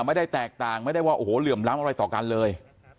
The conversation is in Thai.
ไม่ได้แตกต่างไม่ได้ว่าโอ้โหเหลื่อมล้ำอะไรต่อกันเลย